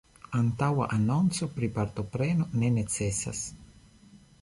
Antaŭa anonco pri partopreno ne necesas.